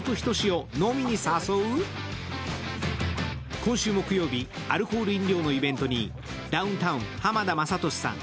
今週木曜日、アルコール飲料のイベントにダウンタウン・浜田雅功さん